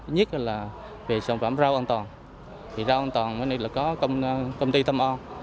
nhất là về sản phẩm rau an toàn rau an toàn có công ty tâm o